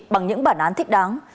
bằng những bản án thích đáng